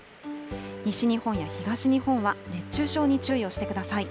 西日本や東日本は、熱中症に注意をしてください。